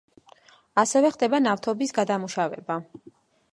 ასევე ხდება ნავთობის გადამუშავება.